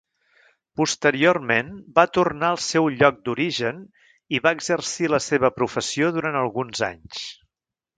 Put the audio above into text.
Posteriorment va tornar al seu lloc d'origen i va exercir la seva professió durant alguns anys.